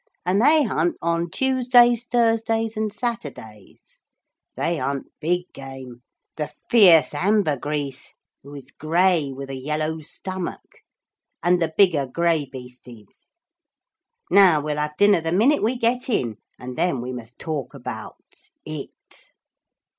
And they hunt on Tuesdays, Thursdays and Saturdays. They hunt big game, the fierce ambergris who is grey with a yellow stomach and the bigger graibeestes. Now we'll have dinner the minute we get in, and then we must talk about It.'